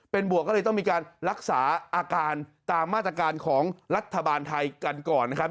เป็นบวกก็เลยต้องมีการรักษาอาการตามมาตรการของรัฐบาลไทยกันก่อนนะครับ